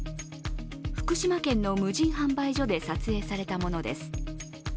福島県の無人販売所で撮影されたものです。